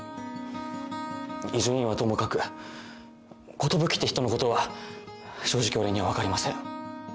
伊集院はともかく寿って人のことは正直俺には分かりません。